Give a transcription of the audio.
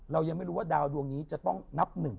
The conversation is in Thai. เรายังไม่รู้ว่าดาวดวงนี้จะต้องนับหนึ่ง